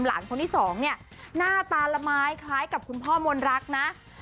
หลานคนที่สองเนี่ยหน้าตาละไม้คล้ายกับคุณพ่อมนรักนะ